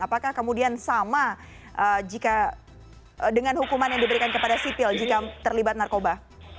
apakah kemudian sama jika dengan hukuman yang diberikan kepada sipil jika terlibat narkoba